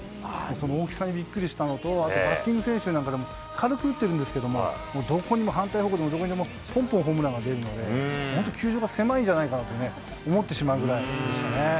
その大きさにびっくりしたのと、あとバッティング練習なんかでも、軽く打ってるんですけども、どこにも、反対方向にも、どこにもぽんぽんホームランが出るので、本当、球場が狭いんじゃないかなと思ってしまうぐらいでしたね。